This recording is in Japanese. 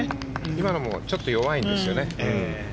今のもちょっと弱いんですよね。